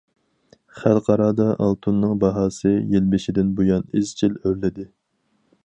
خەلقئارادا ئالتۇننىڭ باھاسى يىل بېشىدىن بۇيان ئىزچىل ئۆرلىدى.